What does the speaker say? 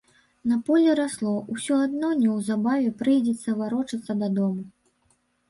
На полі расло, усё адно неўзабаве прыйдзецца варочацца дадому.